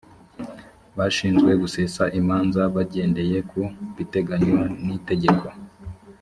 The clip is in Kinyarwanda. bashinzwe gusesa imanza bagendeye ku biteganywa n’itegeko